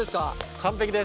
完璧です。